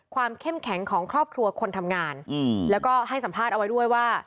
เข้มแข็งของครอบครัวคนทำงานแล้วก็ให้สัมภาษณ์เอาไว้ด้วยว่า